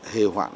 hề hoạn đó